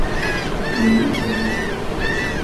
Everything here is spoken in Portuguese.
Luís Domingues